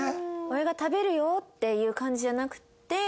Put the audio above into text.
「俺が食べるよ」っていう感じじゃなくて。